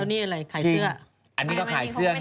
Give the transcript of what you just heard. แล้วนี่อะไรขายเสื้อ